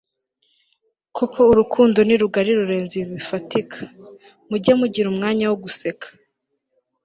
kuko urukundo ni rugari rurenze ibi bifatika! mujye mugira umwanya wo guseka